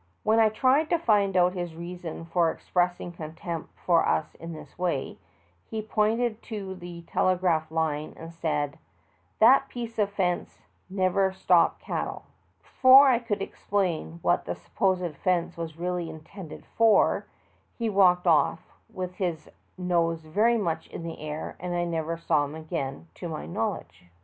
When I tried to find out his reason for express ing contempt for us in this way, he pointed to the telegraph line and said : "That piece of fence never stop cattle." Before I could explain what the supposed fence was really intended for, he walked off with his nose very much in the air, and I never saw him again to my knowledge.